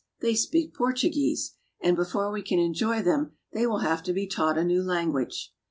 they speak Portuguese, and before we can enjoy them they will have to be taught a new language.